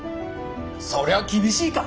そりゃ厳しいか。